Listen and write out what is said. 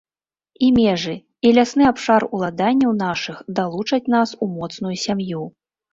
І межы, і лясны абшар уладанняў нашых далучаць нас у моцную сям'ю.